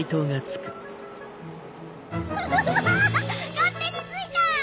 勝手についた！